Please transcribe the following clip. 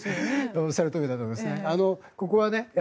おっしゃるとおりだと思いますね。